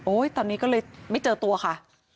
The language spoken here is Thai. ตอนนี้ก็เลยไม่เจอตัวค่ะ